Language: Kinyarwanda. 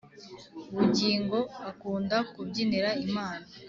bugingo akunda kubyinira Imana